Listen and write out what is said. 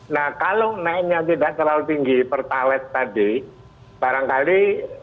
nah kalau naiknya tidak terlalu tinggi pertalit tadi